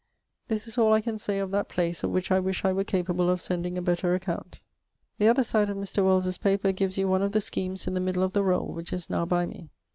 This is all I can say of that place, of which I wish I were capable of sending a better account. The other side of Mr. Wells's paper gives you one of the schemes in the middle of the roll, which is now by me.